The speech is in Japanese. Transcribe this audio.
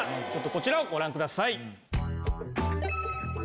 こちらをご覧ください。